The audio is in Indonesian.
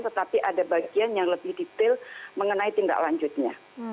tetapi ada bagian yang lebih detail mengenai tindak lanjutnya